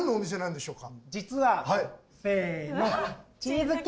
実はせの。